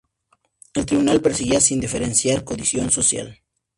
El Tribunal perseguía, sin diferenciar condición social.